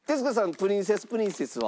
プリンセスプリンセスは？